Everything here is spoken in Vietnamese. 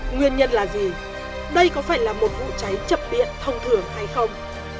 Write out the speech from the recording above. nguyên nhân là gì đây có phải là một vụ cháy chập điện thông thường hay không